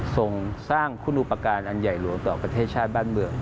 ส่งสร้างคุณอุปการณ์อันใหญ่หลวงต่อประเทศชาติบ้านเมือง